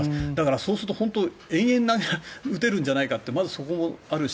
そうすると本当に延々と打てるんじゃないかってまずそこもあるし